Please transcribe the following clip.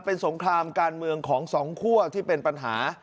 เป็นสงครามการเมืองของสองคั่วที่เป็นปัญหา